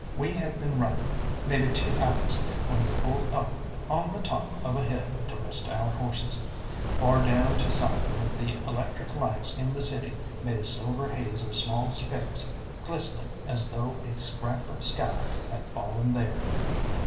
We had been running maybe two hours when we pulled up on the top of a hill to rest our horses. Far down to southward the electric lights in the city made a silver haze of small specks glistening as though a scrap of sky had fallen there.